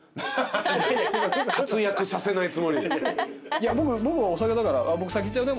いや僕お酒だから僕先言っちゃうね。